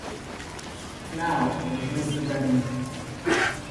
Now it was "Mister Begum."